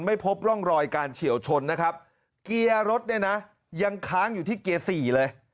ไม่พบร่องรอยการเฉียวชนนะครับเกียร์รถเนี่ยนะยังค้างอยู่ที่เกียร์สี่เลย